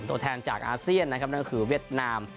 ตัวแทนจากอาเซียนนะครับนั่นก็คือเวียดนาม